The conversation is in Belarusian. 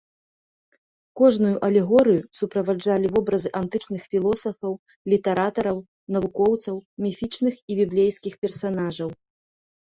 Кожную алегорыю суправаджалі вобразы антычных філосафаў, літаратараў, навукоўцаў, міфічных і біблейскіх персанажаў.